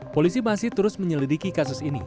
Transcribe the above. polisi masih terus menyelidiki kasus ini